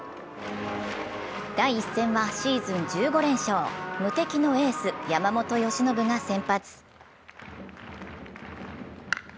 第１戦はシーズン１５連勝、無敵のエース・山本由伸が先発。